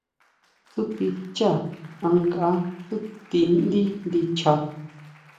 Tsúti xchá ankʼa tsúti ndí ndicha.